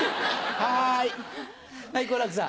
はい好楽さん。